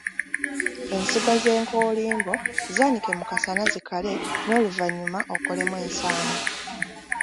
Ensigo z’enkoolimbo zaanike mu kasana zikale n’oluvannyuma okolemu ensaano.